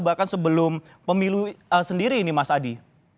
bahkan sebelum pemilu sendiri ini mas adi